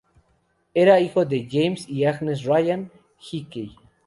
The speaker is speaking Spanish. Era hijo de James y Agnes Ryan Hickey.